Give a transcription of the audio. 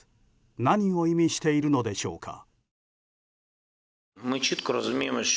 何を意味しているのでしょうか。